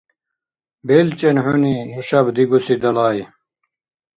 БелчӀен хӀуни нушаб дигуси далай.